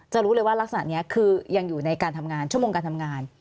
รู้เลยว่ารักษณะนี้คือยังอยู่ในการทำงานชั่วโมงการทำงาน